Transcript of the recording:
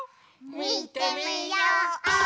みてみよう！